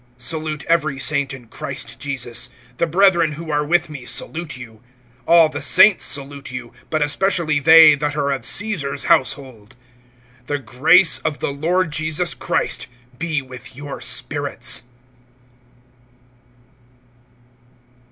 (21)Salute every saint in Christ Jesus. The brethren who are with me salute you. (22)All the saints salute you, but especially they that are of Caesar's household. (23)The grace of the Lord Jesus Christ be with your spirits.